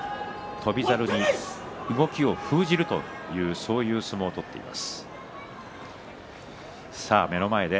翔猿に動きを封じるというそういう相撲を取っています。